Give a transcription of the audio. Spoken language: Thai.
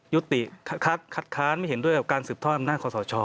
คัดค้านไม่เห็นด้วยกับการสืบทอดอำนาจคอสช